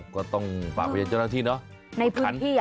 ก็ต้องฝากไปยังเจ้าหน้าที่เนาะ